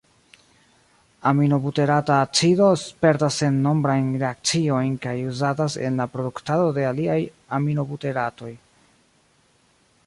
Aminobuterata acido spertas sennombrajn reakciojn kaj uzatas en la produktado de aliaj aminobuteratoj.